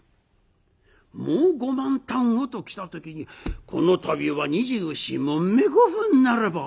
もう５万反をと来た時に「この度は２４匁５分ならば」。